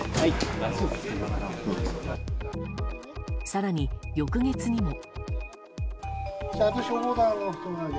更に、翌月にも。